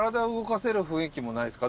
ないっすか？